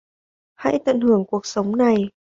hãy tận hưởng cuộc sống này